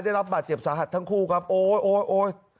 ได้รับบาดเจ็บสาหัสทั้งคู่ครับโอ๊ย